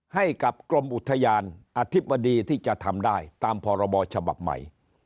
ให้กับกรมอุทยานอธิบดีที่จะทำได้ตามพรบฉบับใหม่